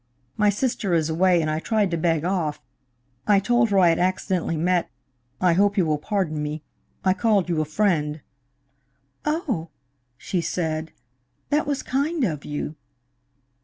My sister is away, and I tried to beg off. I told her I had accidentally met I hope you will pardon me I called you a friend." "Oh!" she said. "That was kind of you."